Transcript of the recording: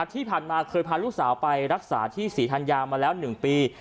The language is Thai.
ที่ผ่านมาเคยพาลูกสาวไปรักษาที่ศรีธัญญามาแล้ว๑ปี